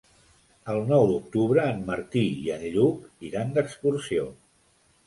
El nou d'octubre en Martí i en Lluc iran d'excursió.